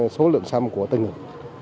số lượng xâm của tên người